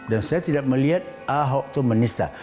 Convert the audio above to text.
dan saya tidak melihat ahok itu menista